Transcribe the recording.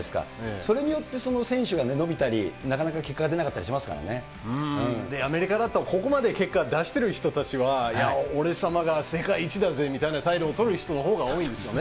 それによってその選手が伸びたり、なかなか結果が出なかったりしまアメリカだと、ここまで結果出してる人たちは、いや、俺様が世界一だぜみたいな態度を取る人のほうが多いですよね。